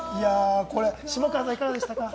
下川さん、いかがでした？